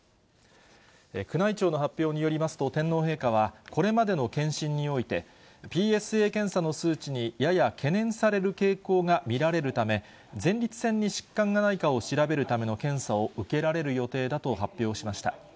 宮内庁の発表によりますと、天皇陛下は、これまでの検診においてＰＳＡ検査の数値にやや懸念される傾向が見られるため、前立腺に疾患がないかを調べるための検査を受けられる予定だと発表しました。